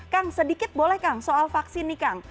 kang sedikit boleh kang soal vaksin nih kang